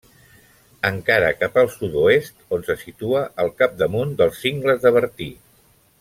Encara cap al sud-oest, on se situa al capdamunt dels Cingles de Bertí.